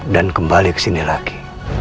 dan kembali kesini lagi